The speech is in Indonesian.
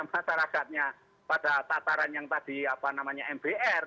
masyarakatnya pada tataran yang tadi apa namanya mbr